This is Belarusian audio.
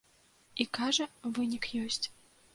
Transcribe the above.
І, кажа, вынік ёсць.